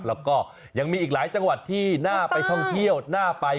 แล้วก็ยังมีอีกหลายจังหวัดที่น่าไปท่องเที่ยวน่าไป